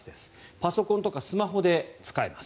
パソコンとかスマホで使えます。